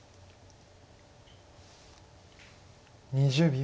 ２０秒。